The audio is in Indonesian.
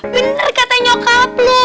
bener kata nyokap lo